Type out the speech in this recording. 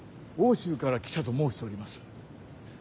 奥州から来たと申しております。